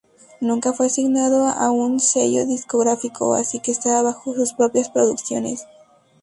Nunca fue asignado a un sello discográfico, así que estaba bajo sus propias producciones.